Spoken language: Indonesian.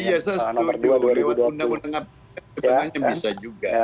iya saya setuju lewat undang undang apa sebenarnya bisa juga